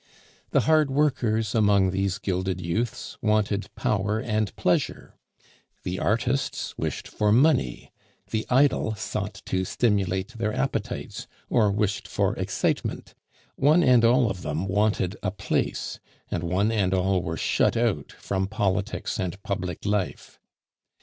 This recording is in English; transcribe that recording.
The hard workers among these gilded youths wanted power and pleasure; the artists wished for money; the idle sought to stimulate their appetites or wished for excitement; one and all of them wanted a place, and one and all were shut out from politics and public life.